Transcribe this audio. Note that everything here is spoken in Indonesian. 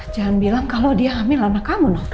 jangan bilang kalau dia hamil anak kamu novel